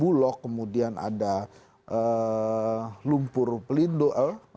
waktu itu ada bulog kemudian ada lumpur pelindo eh lapindo